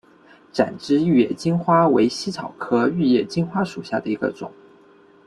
展枝玉叶金花为茜草科玉叶金花属下的一个种。